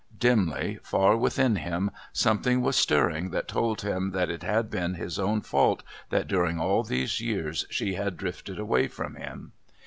Dimly, far within him, something was stirring that told him that it had been his own fault that during all these years she had drifted away from him.